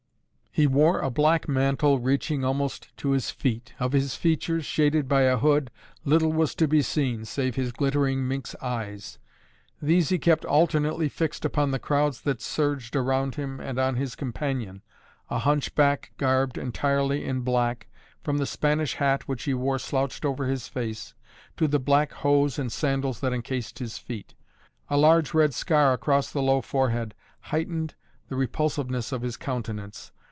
He wore a black mantle reaching almost to his feet. Of his features, shaded by a hood, little was to be seen, save his glittering minx eyes. These he kept alternately fixed upon the crowds that surged around him and on his companion, a hunchback garbed entirely in black, from the Spanish hat, which he wore slouched over his face, to the black hose and sandals that encased his feet. A large red scar across the low forehead heightened the repulsiveness of his countenance.